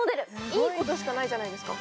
いいことしかないじゃないですか。